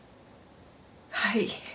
はい。